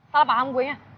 salah paham gue nya